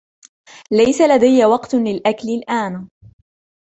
ليس لدي وقت للاكل الان.